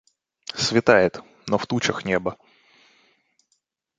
Светает, но в тучах небо.